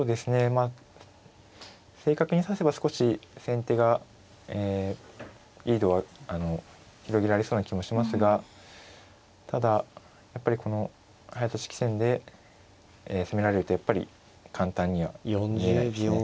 まあ正確に指せば少し先手がリードを広げられそうな気もしますがただやっぱりこの早指し棋戦で攻められるとやっぱり簡単には見えないですね。